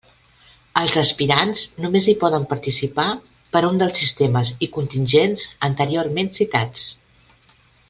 Els aspirants només hi poden participar per un dels sistemes i contingents anteriorment citats.